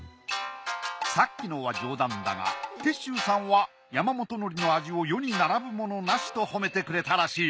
さっきのは冗談だが鉄舟さんは山本海苔の味を「世に並ぶものなし」と褒めてくれたらしい。